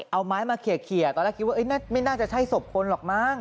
เอาไม้มาเขียตอนแรกคิดว่าไม่น่าจะใช่ศพคนหรอกมั้ง